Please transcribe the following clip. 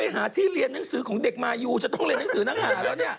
หาที่เรียนหนังสือของเด็กมายูจะต้องเรียนหนังสือหนังหาแล้วเนี่ย